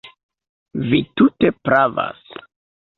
Vi tute pravas.